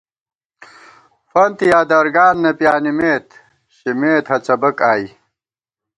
فنت یا درگان نہ پیانِمېت شمېت ہَڅَبَک آئی